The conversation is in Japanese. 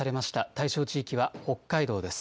対象地域は北海道です。